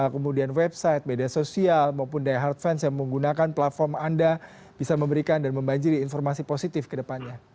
kemudian website media sosial maupun daya hardfans yang menggunakan platform anda bisa memberikan dan membanjiri informasi positif ke depannya